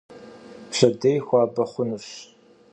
Pşedêy xuabe xhunuş.